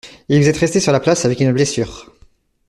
Et vous êtes resté sur la place avec une blessure !